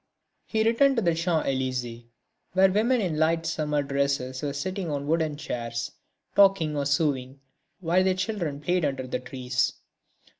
He returned by the Champs Élysées, where women in light summer dresses were sitting on wooden chairs, talking or sewing, while their children played under the trees.